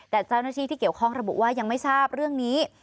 แต่เจ้าหน้าที่ที่เกี่ยวข้องระบุว่ายังไม่ทราบเรื่องนี้